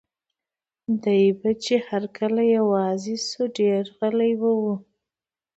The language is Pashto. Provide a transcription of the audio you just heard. دی چې به هر کله یوازې شو، ډېر به غلی و.